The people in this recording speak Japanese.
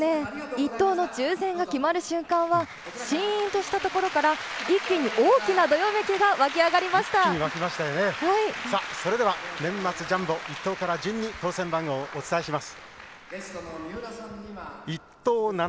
１等の抽せんが決まる瞬間はしーんとしたところから一気に大きなどよめきがそれでは年末ジャンボ１等から順に当せん番号をお伝えします。